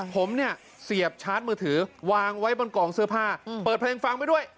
ผมเนี่ยเสียบชาร์จมือถือวางไว้บนกองเสื้อผ้าเปิดเพลงฟังไปด้วย